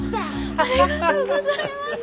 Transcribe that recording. ありがとうございます。